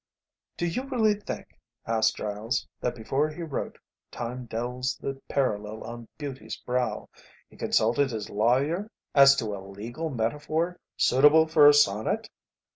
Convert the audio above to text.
"Do you really think," asked Giles, "that before he wrote 'Time delves the parallel on beauty's brow,' he consulted his lawyer as to a legal metaphor suitable for a sonnet?"